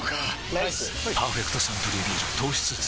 ライス「パーフェクトサントリービール糖質ゼロ」